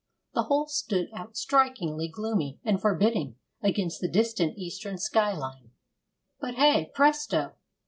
The whole stood out strikingly gloomy and forbidding against the distant eastern skyline. But, hey, presto!